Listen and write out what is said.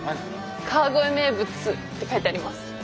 「川越名物」って書いてあります。